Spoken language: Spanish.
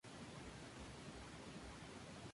Hojas enteras o serradas, pecioladas.